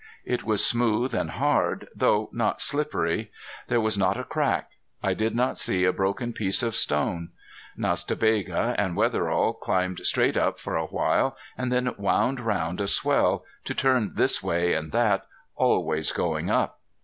It was smooth and hard, though not slippery. There was not a crack. I did not see a broken piece of stone. Nas ta Bega and Wetherill climbed straight up for a while and then wound round a swell, to turn this way and that, always going up.